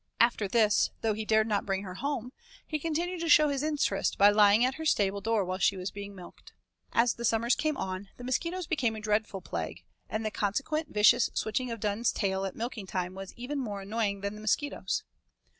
After this, though he dared not bring her home, he continued to show his interest by lying at her stable door while she was being milked. As the summer came on the mosquitoes became a dreadful plague, and the consequent vicious switching of Dunne's tail at milking time was even more annoying than the mosquitoes.